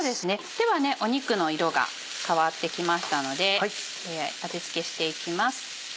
では肉の色が変わってきましたので味付けしていきます。